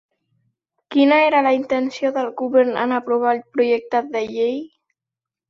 Quina era la intenció del govern en aprovar el projecte de llei?